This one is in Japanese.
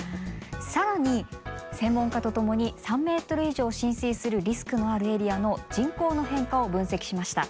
更に専門家と共に３ｍ以上浸水するリスクのあるエリアの人口の変化を分析しました。